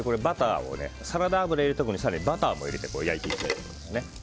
サラダ油を入れたところに更にバターを入れて焼いていきます。